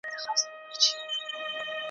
چي تر شا وه پاته سوي دوه ملګري `